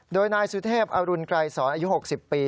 โดยนายสุเทพอรุณไกรสอนอายุ๖๐ปี